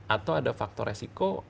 atau ada faktor resiko